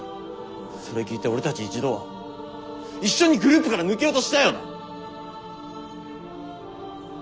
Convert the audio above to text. それ聞いて俺たち一度は一緒にグループから抜けようとしたよな？